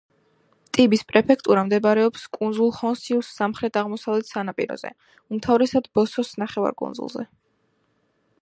ტიბის პრეფექტურა მდებარეობს კუნძულ ჰონსიუს სამხრეთ-აღმოსავლეთ სანაპიროზე, უმთავრესად ბოსოს ნახევარკუნძულზე.